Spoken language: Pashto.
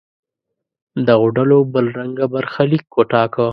دغو ډلو بل رنګه برخلیک وټاکه.